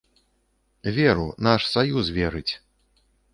Веру, наш саюз верыць.